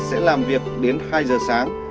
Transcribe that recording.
sẽ làm việc đến hai giờ sáng